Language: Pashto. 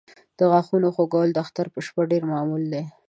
د غاښونو خوږول د اختر په شپه ډېر معمول دی.